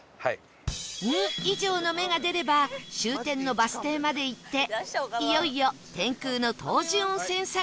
「２」以上の目が出れば終点のバス停まで行っていよいよ天空の湯治温泉探しです